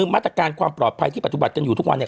มาตรการความปลอดภัยที่ปฏิบัติกันอยู่ทุกวันเนี่ย